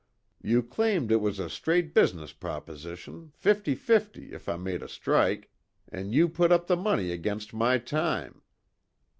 You claimed it was a straight business proposition fifty fifty if I made a strike, an' you put up the money against my time."